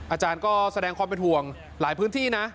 อาจารย์ก็แสดงความเป็นห่วงหลายพื้นที่นะ